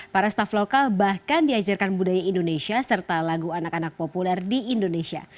para staff lokal bahkan diajarkan budaya indonesia serta lagu anak anak populer di indonesia